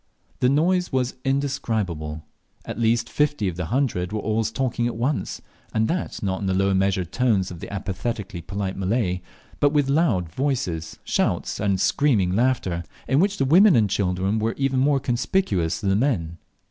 The noise was indescribable. At least fifty of the hundred were always talking at once, and that not in the low measured tones of the apathetically polite Malay, but with loud voices, shouts, and screaming laughter, in which the women and children were even more conspicuous than the men.